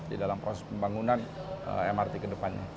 di dalam proses pembangunan mrt kedepannya